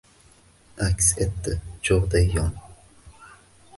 Aks etdi cho’g’day yonib.